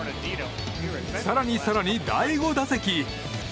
更に更に第５打席。